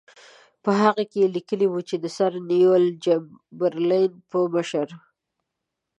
په هغه کې یې لیکلي وو چې د سر نیویل چمبرلین په مشرۍ.